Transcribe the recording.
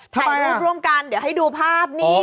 ถ่ายรูปร่วมกันเดี๋ยวให้ดูภาพนี้